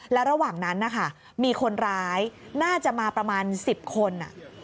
และระหว่างนั้นนะคะมีคนร้ายน่าจะมาประมาณ๑๐คน